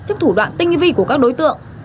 trước thủ đoạn tinh vi của các đối tượng